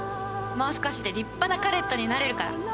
もう少しで立派なカレットになれるから！